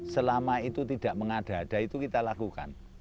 selama itu tidak mengada ada itu kita lakukan